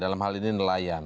dalam hal ini nelayan